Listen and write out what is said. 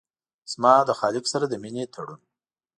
زما له خالق سره د مينې تړون